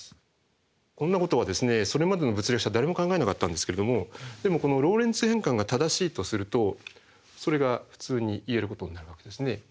こんなことはそれまでの物理学者誰も考えなかったんですけれどもでもこのローレンツ変換が正しいとするとそれが普通に言えることになるわけですね。